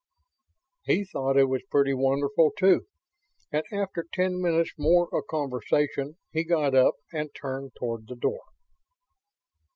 He thought it was pretty wonderful, too; and after ten minutes more of conversation he got up and turned toward the door.